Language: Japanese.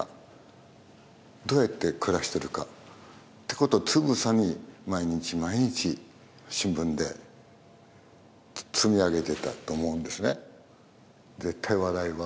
どうやって暮らしてるかってことをつぶさに毎日毎日新聞で積み上げていたと思うんですね。